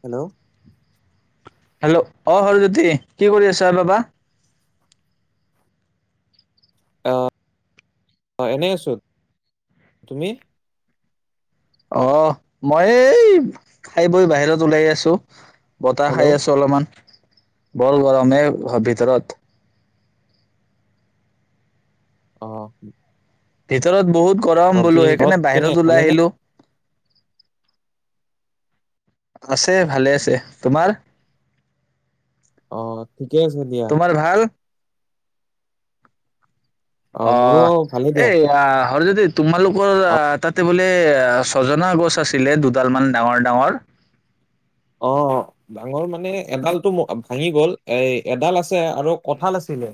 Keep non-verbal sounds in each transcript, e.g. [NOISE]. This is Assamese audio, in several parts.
হেল্ল', হেল্ল', অ', হৰজ্যোতি কি কৰি আছা বাবা? অহ- অহ এনেই আছো তুমি? অহ, মই এই খাই বৈ বাহিৰত ওলাই আছো। বতাহ হেল্ল' খাই আছো অলপমান। বৰ গৰমে ভিতৰত। অহ, ' ভিতৰত বহুত, - গৰম বোলো সেইকাৰণে কেনে বাহিৰত ওলাই ভালেনে? আহিলো। আছে ভালে আছে, তোমাৰ? অ', ঠিকে আছে দিয়া। তোমাৰ ভাল মোৰো অ', ভালে দিয়া। এইয়া হৰজ্যোতি, তোমালোকৰ তাতে বোলে ছজনা গছ আছিলে দুডাল মান ডাঙৰ- ডাঙৰ। অ, ডাঙৰ মানে এডালতটো ভাঙি গল এ, এডাল আছে। আৰু কঁঠাল আছিলে।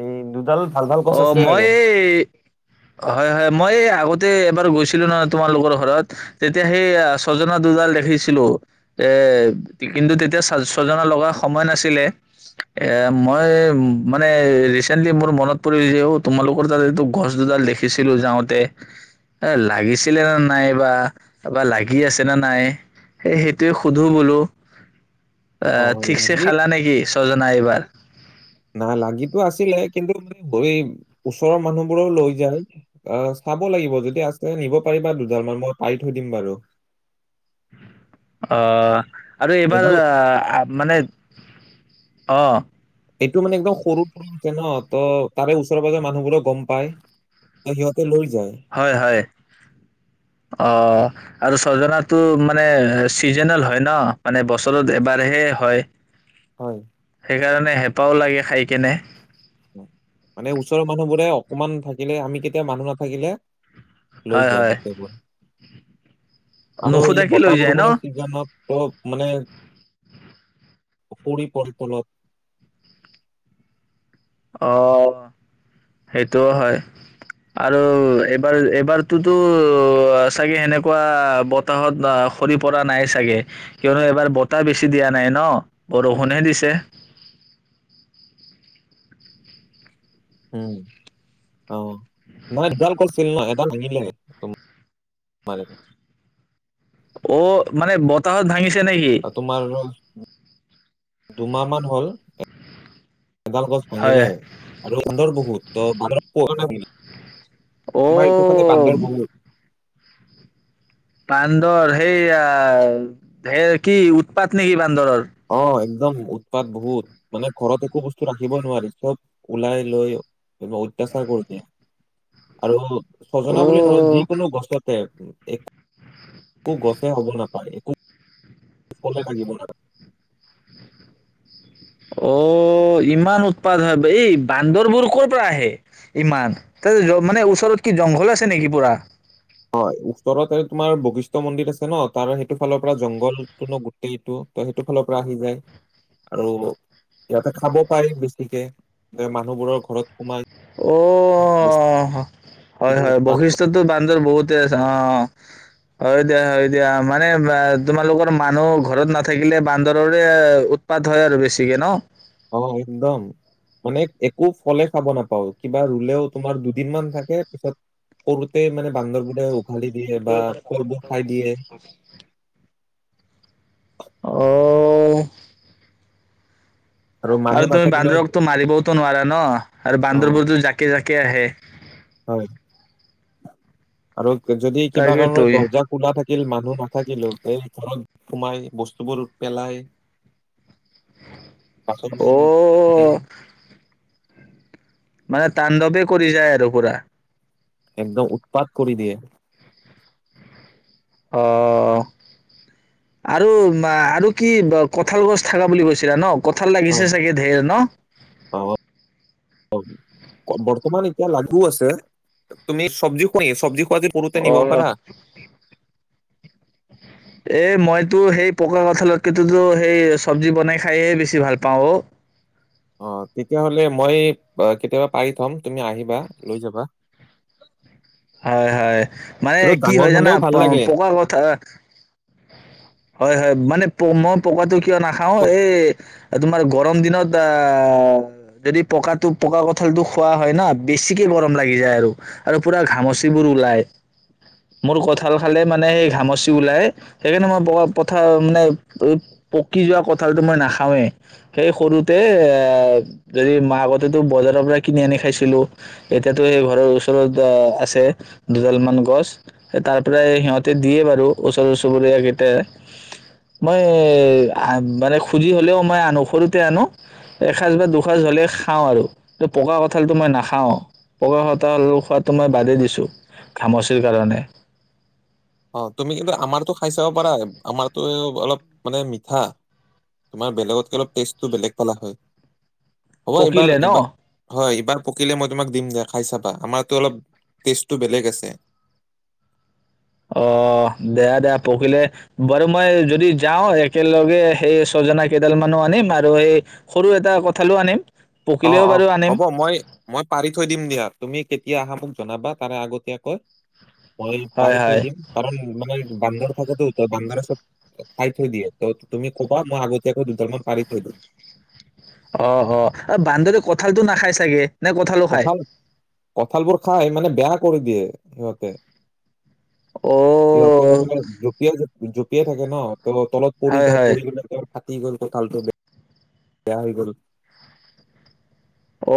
এই দুডাল, ভাল ভাল গছ অ', আছে আৰু মই, এই হয়-হয় মই এই আগত, আগতে এবাৰ গৈছিলো নহয় তোমালোকৰ ঘৰত তেতিয়া সেই ছজনা দুডাল দেখিছিলো এ', কিন্তু তেতিয়া ছজনা লগা সময় নাছিলে এ ', মই মানে ৰিচেন্টলি মোৰ মনত, পৰিযেও তোমালোকৰ তাত এইটো গছ দুডাল দেখিছিলো যাওঁতে এ'লাগিছিলে নে নাই বা বা লাগি আছে নে নাই সে সেইটোৱে সোধো বোলো। অ' অ', ঠিকছে লাগি খালা নেকি? ছজনা এইবাৰ। নাই লাগিটো আছিলে কিন্তু মই ওচৰৰ মানুহবোৰও লৈ যায় আহ ', চাব লাগিব যদি আছে নিব পাৰিবা দুডাল মান মই পাৰি থৈ দিম বাৰু। অ, আৰু এইবাৰ এইডাল মানে, অহ ', এইটো মানে একদম সৰু পৰা আছে ন', -ত ', তাৰে ওচৰে -পাজৰে মানুহবোক গম পাই ত ', সিহঁতে লৈ যায়। হয়- হয়। অহ, আৰু ছজনাতটো মানে চিজনেল হয় ন', মানে বছৰত এবাৰহে হয়। হয়। সেইকাৰণে হেঁপাহও লাগে খাইকেনে। মানে ওচৰৰ মানুহবোৰে অকমান থাকিলে আমি কেতিয়া মানুহ নাথাকিলে, হয় লৈ যায় হয় গোটেবোৰ। আৰু এই নুখুধাকে লৈ বতাহ যায় ন? বৰষুণৰ চিজনত তো মানে সৰি পৰি তলত অ সেইটোও হয় আৰু এইবাৰ এইবাৰটো টো চাগে এনেকুৱা বতাহত সৰি পৰা নাই চাগে। কিয়নো এবাৰ বতাহ বেছি দিয়া নাই ন বৰষুণহে দিছে। উম অ নাই এডাল কৰিছিল ন এডাল নিলে [UNINTELLIGIBLE] অ মানে বতাহত ভাঙিছে নেকি? তোমাৰ দুমাহ মান হ'ল এডাল গছ হয় ভাঙিলে, আৰু সুন্দৰ বহুত। ত [UNINTELLIGIBLE] আমাৰ এইটো ফালে অ', বান্দৰ বহুত বান্দৰ সেইয়া কি উৎপাত নেকি বা? বান্দৰৰ অ একদম উৎপাত বহুত, মানে ঘৰত একো বস্তু ৰাখিবই নোৱাৰি, চব ওলাই লৈ অত্যাচাৰ কৰি দিয়ে আৰু চজনা বুলি নহয় অ', যিকোনো গছতে এক একো গছে হ'ব নাপায় একো ফলে থাকিব না- অ ইমান উৎপাত হয় এই বান্দৰবোৰ কৰ পৰা আহে? ইমান, তাৰ মানে ওচৰত কি জংঘল আছে নেকি পুৰা? হয় ওচৰত তোমাৰ বশিষ্ঠ মন্দিৰ আছে ন, তাৰ সেইটো ফালৰ পৰা জংঘলটো ন গোটেইটো ত সেইটো ফালৰ পৰা আহি যায়। আৰু ইয়াতে খাব পাৰি বেছিকে যে মানুহবোৰৰ ঘৰত সোমাই অ হয় বস্তুবোৰ হয় উৎপাত কৰে বৈশিষ্টয়তো বান্দৰ বহুত তে আছে অ। হয় দিয়া হয় দিয়া মানে তোমালোকৰ মানুহ ঘৰত নাথাকিলে বান্দৰৰে উৎপাত হয় আৰু বেছিকে ন? অ একদম, মানে একো ফলে খাব নাপাও। কিবা ৰুলেও তোমাৰ দুদিন মমান থাকে, পিছত সৰুতে মানে বান্দৰবোৰে ঢালি দিয়ে বা ফলবোৰ খাই দিয়ে অ' মানুহ আৰু তই নাথাকিলেও বান্দৰকতো মাৰিবওতো নোৱাৰা ন! আৰু অ বান্দৰবোৰতো জাকে জাকে আহে হয় আৰু যদি কিবা তাকেতো কাৰণত দৰ্জা খোলা থাকে মানুহ নাথাকিলেও তে ঘৰত সোমাই বস্তুবোৰ পেলাই বাচন চাছন ভাঙে অ', মানে তাণ্ডৱে কৰি যায় আৰু পুৰা একদম উৎপাত কৰি দিয়ে অ, আৰু আৰু কি কঠাঁল গছ থকা বুলি কৈছিলা ন? কঠাঁল লাগিছে হয় চাগে ধেৰ ন? অ বৰ্তমান এতিয়া লাগু আছে। তুমি চব্জি খোৱা নি চব্জি? [UNINTELLIGIBLE] পোতে নিব অ', পাৰা এই মইতো সেই পকা কঁঠালতকেইেততো সেই চব্জি বনাই খায়হে বেছি ভাল পাওঁ অ' অ তেতিয়াহ'লে মই কেতিয়াবা পাৰি থম তুমি আহিবা লৈ যাবা হয় হয় মানে কিন্তু কি ডাঙৰ হয় জানা হলেও ভাল লাগে পকা কথা হয় হয় মানে পমা পকাটো কিয় নাখাওঁ এই তোমাৰ গৰম দিনত আঁ যদি পকাটো পকা কঠালটো খোৱা হয় না বেছিকে গৰম লাগি যায় আৰু আৰু পুৰা ঘামচিবোৰ ওলাই মোৰ কঠাঁল খালে মানে সেই ঘামচি ওলাই সেইকাৰণে মই পকা মানে পকি যোৱা কঠাঁলটো মই নাখাওৱে সেই সৰুতে এই আগতেতো বজাৰৰ পৰা কিনি আনি খাইছিলো এতিয়াাতো সেই ঘৰৰ ওচৰত ছে দুডালমান গছ তাৰ পৰাই সিহঁতে দিয়ে বাৰু ওচৰ চুবুৰীয়া গিটাই মই মানে খুজি হলেও মই আনো সৰুতে আনো এসজ বা দুসজ হলে খাওঁ আৰু পকা কঁঠালটো মই নাখাওঁ পকা কঠাল খোৱাতো দিছোঁ ঘামচিৰ কাৰণে অ তুমি কিন্তু আমাৰতো খাই চাব পাৰা আমাৰতো অলপ মানে মিঠা তোমাৰ বেলেগতকে অলপ টেষ্টটো বেলেগ পালা হয় হ'ব পকিলে এইবাৰ ন বাৰ হয় এবাৰ পকিলে মই তোমাক দিম দো খাই চাবা আমাৰো অলপ টেষ্টটো বেলেগ আছে অঁ দিয়া দিয়া পকিলে বাৰু মই যদি যাওঁ একেলগে সেই ছজনা কেইডাল মানো আনিম আৰু সেই সৰু এটা কঁঠালো আনিম অঁ পকিলেও অঁ বাৰু আনিম হ'ব মই মই পাৰি থৈ দিম দিয়া তুমি এ আহা মোক জনাবা তাৰে আগতীয়াকয় মই হয় পাৰি থৈ হয় দিম কাৰণ মানে বান্দৰ থাকেতটো তই বান্দাৰে চব খাই থৈ দিয়ে ত তুমি কবা মই আগতীয়াকৈ দুডাল মান পাৰি থৈ দিম অঁ অঁ আৰু বান্দৰে কঁঠালতটো নাখাই চাগে নে কঁঠালো খায় কঠাল কঠাল বোৰ খাই মানে বেয়া কৰি দিয়ে সিহঁতে সিহঁতে অ' বোলে জপিয়াই জপিয়াই জঁপিয়াই থাকে ন তো তলত পৰি হয় যায় হয় পৰি গ ফাটি গ'ল কঁঠালটো বেয়া হৈ গল অঁ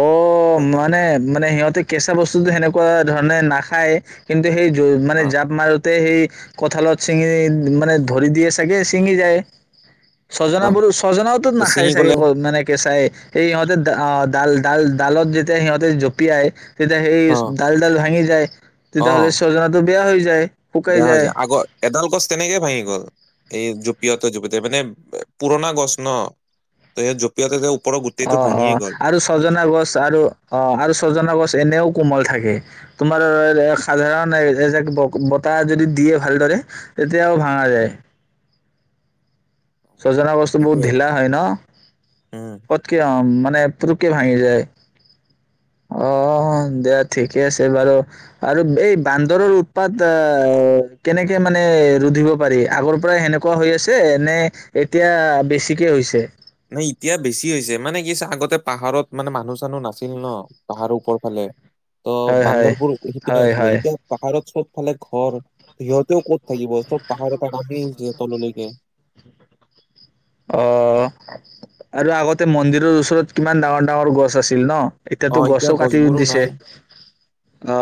অঁ মানে মানে সিহঁতে কেঁচা বস্তুটোো সেনেকুৱ ধৰণে নাখায় কিন্তু সেই মানে অ জাপ মাৰোতে সেই কঁঠালত ছিঙি মানে ধৰি দিয়ে চাগে ছিঙি যায় অ ছজাবোৰো ছজনাওতো ত নাখায় ছিঙি চাগে গ'লে ক মানে কেচাই সিহঁতেও অঁ ডাল ডাল ডালত যেতিয়া সিহঁতে জঁপিয়াই তেতিয়া সেই অ ডাল ডাল ভাঙি য অ তেতিয়াহ'লে চজনাতো বেয়া হৈ যায় বেয়া হৈ যায় আগৰ এডাল গছ তেনেকে ভাঙি গ'ল এই জঁপিয়াতে জপিয়াইতে মানে পুৰণা গছ ন ত সেই জপিয়াই অ অ আৰু ছজনা গছ আৰু অ আৰু ছজনা গছ এনেও কোমল থাকে তোমাৰ সাধাৰণ বতাহ যদি দিয়ে ভালদৰে তেতিয়াও ভাঙা যায় উম সজনা বস্তু বহুত সেইটোয়ে ঢিলা হয় ন উম পত কি অ মান মানে পৰুকে ভাঙি যায় অ দিয়া ঠিকে আছে বাৰু আৰু এই বান্দৰৰ উৎপাত আহ কেনেকে মানে ৰুধিব পাৰি আগৰ পৰাই সেনেকুৱা হৈ আছে নে এতিয়া বেছিকে হৈছে নাই এতিয়া বেছি হৈছে মানে কি আগতে পাহাৰত মানে মানুহ চানুহ নাছিল ন পাহাৰৰ ওপৰ ফালে ত হয়, হয়, বান্দৰবোৰ সেইপনেি হয়, আছিলে হয় এতিয়া পাহাৰত চব ফালে ঘৰ সিহঁতেও ক'ত থাকিব চব পাহাৰৰ পৰা নামি আহিছে তললৈকে অ আৰু আগতে মন্দিৰৰ ওচৰত কিমান ডাঙৰ ডাঙৰ গছ আছিল ন অ এতিয়াতো এতিয়া গছো কাটি গছবোৰো দিছে নাই অ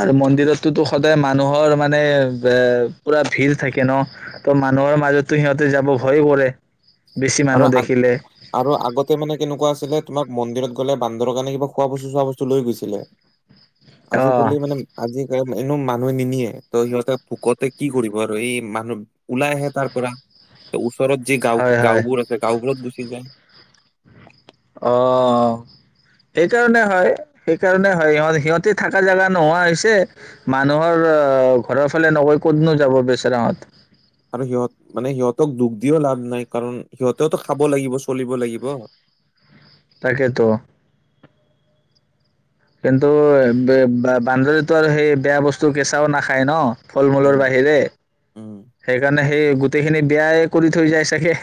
আৰু মন্দিৰতোতো সদায় মানুহৰ মানে এ পুৰা ভিৰ থাকে ন ত মানুহৰ মাজতো সিহঁতে যাব ভয়ে কৰে বেছি আৰু মানুহ আ দেখিলে আৰু আগতে মানে কেনেকুৱা আছিলে তোমাক মন্দিৰত গলে বান্দৰ কাৰণে কিবা খোৱা বস্তু চোৱা বস্তু লৈ গৈছিলে আজি অ', কলে মানে আজি ক এনেো মানুহে নিনিয়ে ত সিহঁতে ভোকতে কি কৰিব আৰু এই মানুহ ওলাই আহে তাৰ পৰা ওচ সৰতজী হয়, গাঁও হয়। গাঁওবোৰ আছোঁওবোৰত গুচি যায় অ সেইকাৰণে হয় সেইকাৰণে হয় সিহত সিহঁতে থকা জেগা নোহোৱা হৈছে মানুহৰ আহ ঘৰৰ ফালে নকৈ কতনো যাব বেচৰাহত আৰু সিহঁত মানে সিহঁতক দুখ দিও লাভ নাই কাৰণ সিহঁতেওতো খাব লাগিব চলিব লাগিব তাকেেতো কিন্তু বান্দৰীতো আৰু সেই বেয়া বস্তু কেঁচাও নাখায় ন ফল মূলৰ উম বাহিৰে উম সেইকাৰণে সেই গোটেইখিনি বেয়াই কৰি থৈ যায় চাগে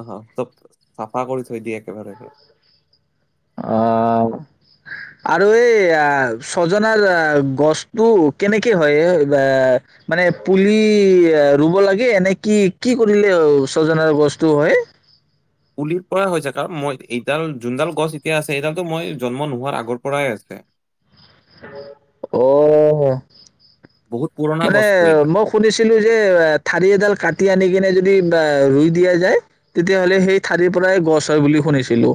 আহ চব চাফা কৰি থৈ দিয়ে একেবাৰেবাৰে অ আৰু এই ছজনাৰ গছটো কেনেকে হয় এ মানে পুলি ৰুব লাগে এনেে কি কি কৰিলে ছজনাৰ গছটো হয় পুলিৰ পৰাই হৈছে কাৰণ মই এইডাল যোনডাল গছ এতিয়া আছে এইডালতো মই জন্ম নোহোৱাৰ আগৰ পৰাই আছে অ বহুত পুৰণা মানে গছটো এইডাল মই শুনিছিলো যে ঠাৰি এডাল কাটি আনি কিনে ই দিয়া য তেতিয়া স াৰৰ পৰা গছ হয় বুলি শুনিো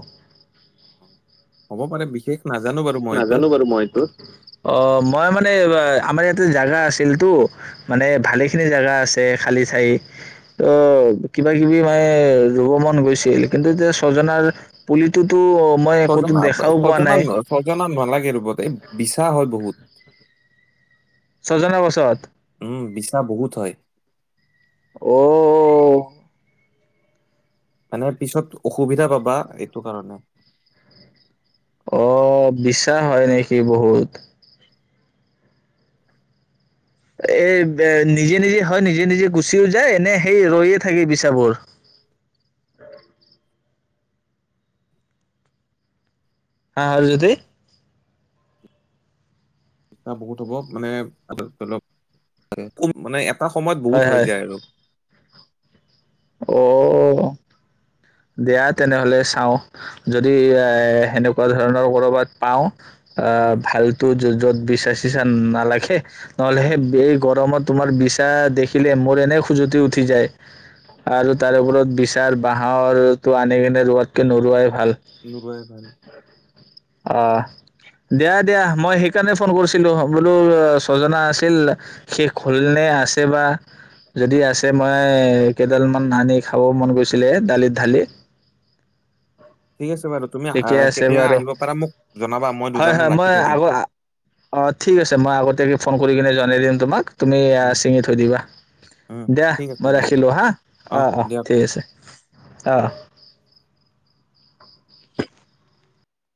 হ'ব পাৰে বিশেষ নাজানো বাৰু মই এইটো নাজানো বাৰু মই এইটো অ মই মানে আমাৰ ইয়াতে জোগা আছিল ো মানে ভালেখিনি জোগা আছে খালি ঠাই ত কিবা কিবি মানে ৰুব মন গৈছিল কিন্তু এতিয়া ছজনাৰ পুলিটোোতো মই একোতো দেখাও পোৱা নাই সজনা নালাগে ৰৰুবত এই বিশাহ বহুত ছজনৰ পাছত। [UNINTELLIGIBLE] বহুত হয়। ঔ মানে পিছত অসুবিধা পাবা এইটো কাৰণত অ', বিছা হয় নেকি বহুত? এ বে নিজে নিজে হয় নিজে নিজে গুচিও যায়, এনে সেই ৰৈয়ে থাকে বিচাবোৰ। [INAUDIBLE] [UNINTELLIGIBLE] বহুত হ'ব, মানে অলপ অলপ। [UNINTELLIGIBLE] এটা সময়ত বহুত হয় হৈ হয় যায় আৰু। অ' দিয়া তেনেহলে চাওঁ। যদি এ, সেনেকুৱা ধৰণৰ কৰ'বাত পাওঁ আ, উম ভালতো য-য'ত বিছা চিছা নালাগে। নহলে হেই উম বেই গৰমত তোমাৰ বিচা দেখিলে মোৰ এনে খোজতি উঠি যায়। আৰু তাৰ ওপৰত বিচাৰ বাঁহটো [UNINTELLIGIBLE] টো আনি কেনে ৰোৱাত কে নোৰুৱা ভাল। নোৰোৱাই ভাল অ' দিয়া দিয়া, মই সেইকাৰণে ফোন কৰিছিলোঁ বোলো ছজনা আছিল, শেষ হলনে আছে বা! যদি আছে মই কেইডাল মান আনি খাব মন গৈছিলে দালিত ধালি। ঠিক আছে বাৰু তুমি ঠিকে আহ আছে কেতিয়া বাৰু। আহিব পাৰা মোক জনাবা মই হয়, দুডালমান হয় ৰাখি মই থৈ দিম আগ, অ, ঠিক আছে, মই আগতীয়াকে ফণ কৰি কিনে জনাই দিম তোমাক। তুমি আ, উম ছিঙি থৈ দিবা। উম দিয়া ঠিক আছে মই বাৰু ৰাখিলো হা। অহ অ', অ', দিয়া ঠিক আছে। অহ।